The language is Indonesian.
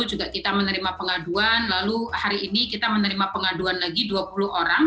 juga kita menerima pengaduan lalu hari ini kita menerima pengaduan lagi dua puluh orang